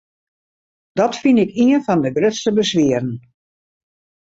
Dat fyn ik ien fan de grutste beswieren.